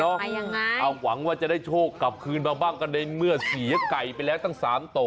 แสดงว่าจะได้โชคกลับคืนมาบ้างกันเลยเมื่อเสียไก่ไปแล้วตั้งสามโต